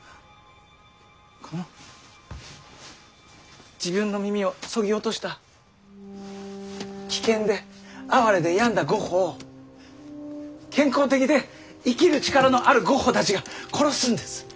この自分の耳をそぎ落とした危険で哀れで病んだゴッホを健康的で生きる力のあるゴッホたちが殺すんです。